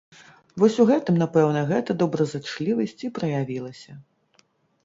Вось у гэтым, напэўна, гэта добразычлівасць і праявілася.